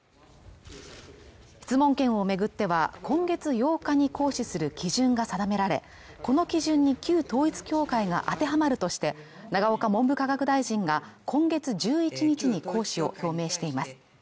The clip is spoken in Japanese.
質問権を巡っては今月８日に行使する基準が定められこの基準に旧統一教会が当てはまるとして永岡文部科学大臣が今月１１日に行使を表明しています